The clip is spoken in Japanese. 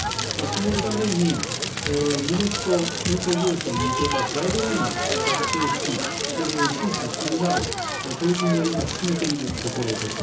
そのために、荷主と運送業者に向けたガイドライン作成し、周知するなど、取り決めを今、進めているところです。